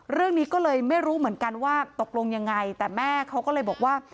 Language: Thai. เรื่องนี้ก็เลยไม่รู้เหมือนกันว่าตกลงยังไงแต่แม่เขาก็เลยบอกว่า